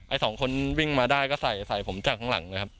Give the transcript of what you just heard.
สองคนวิ่งมาได้ก็ใส่ใส่ผมจากข้างหลังนะครับ